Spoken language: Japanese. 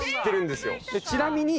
ちなみに。